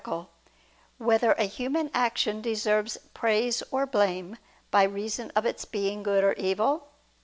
2] Whether a Human Action Deserves Praise or Blame, by Reason of Its Being Good or Evil?